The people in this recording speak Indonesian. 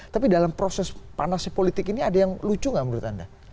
tapi dalam proses panasnya politik ini ada yang lucu nggak menurut anda